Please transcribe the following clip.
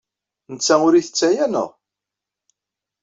Netta ur ittett aya, naɣ?